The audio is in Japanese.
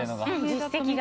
実績が。